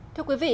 thưa quý vị